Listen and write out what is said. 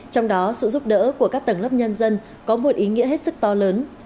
trong đó sự giúp đỡ của các tầng lớp nhân dân có một ý nghĩa hết sức to lớn